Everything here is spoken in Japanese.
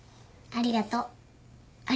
ありがとう。